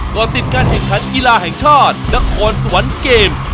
ก็ติดการแข่งขันกีฬาแห่งชาตินครสวรรค์เกม